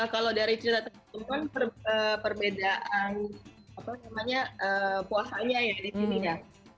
kalau dari cerita teman teman perbedaan puasanya ya di sini ya